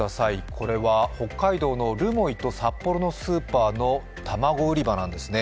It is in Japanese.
これは北海道の留萌と札幌のスーパーの卵売り場なんですね。